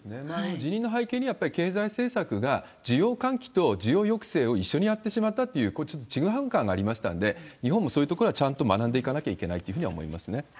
辞任の背景には、やっぱり経済政策が、需要喚起と需要抑制を一緒にやってしまったっていう、これ、ちょっとちぐはぐ感がありましたので、日本もそういうところはちゃんと学んでいかなきゃいけないってい